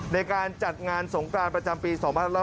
ในการจัดงานสงกรานประจำปี๒๕๖๐